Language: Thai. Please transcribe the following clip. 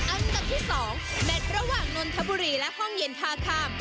อันดับที่๒แมทระหว่างนนทบุรีและห้องเย็นท่าข้าม